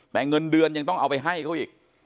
แต่เงินเดือนยังต้องเอาไปให้เขาอีก